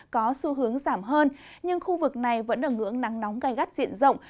có xu hướng giảm hơn nhưng khu vực này vẫn ở ngưỡng nắng nóng gai gắt diện rộng